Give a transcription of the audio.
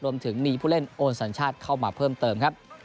รวมถึงมีผู้เล่นโอนสัญชาติเข้ามาเพิ่มเติมครับ